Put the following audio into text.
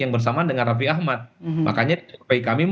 ini adalah kemungkinan yang sangat bergantung